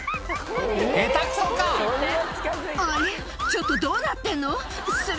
ちょっとどうなってんの？」